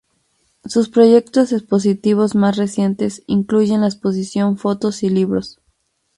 Sus proyectos expositivos más recientes incluyen la exposición 'Fotos y Libros.